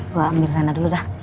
gue ambil sana dulu dah